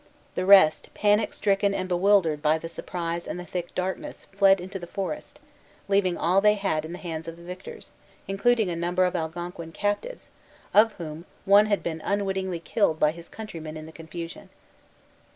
The rest, panic stricken and bewildered by the surprise and the thick darkness, fled into the forest, leaving all they had in the hands of the victors, including a number of Algonquin captives, of whom one had been unwittingly killed by his countrymen in the confusion.